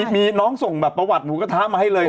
มีน้องส่งแบบประวัติหมูกระทะมาให้เลย